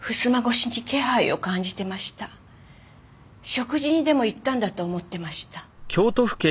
食事にでも行ったんだと思ってました。